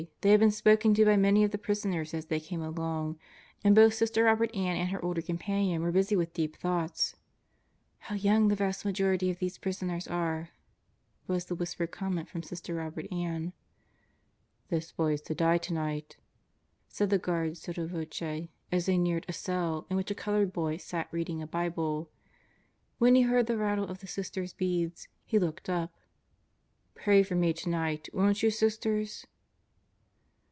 They had been spoken to by many of the prisoners as they came along, and both Sister Robert Ann and her older companion were busy with deep thoughts. "How young the vast majority of these prisoners are!" was the whispered comment from Sister Robert Ann. "This boy is to die tonight," said the guard sotto voce as they neared a cell in which a colored boy sat reading a Bible. When he heard the rattle of the Sisters' beads he looked up. "Pray for me tonight, won't you, Sisters?"